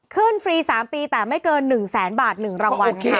ฟรี๓ปีแต่ไม่เกิน๑แสนบาท๑รางวัลค่ะ